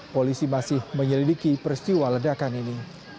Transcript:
polisi masih menyelidiki peristiwa ledakan ini